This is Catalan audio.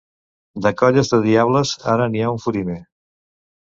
De colles de diables, ara n’hi ha un fotimer.